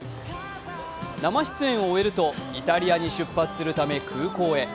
生出演を終えるとイタリアに出発するため空港へ。